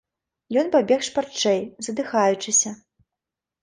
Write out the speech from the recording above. Ён пабег шпарчэй, задыхаючыся.